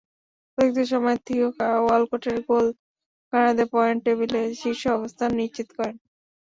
অতিরিক্ত সময়ে থিও ওয়ালকোটের গোল গানারদের পয়েন্ট টেবিলে শীর্ষ অবস্থান নিশ্চিত করেন।